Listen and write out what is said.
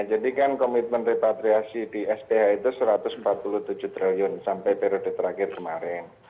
jadi kan komitmen repatriasi di sph itu satu ratus empat puluh tujuh triliun sampai periode terakhir kemarin